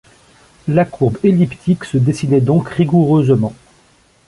La courbe elliptique se dessinait donc rigoureusement.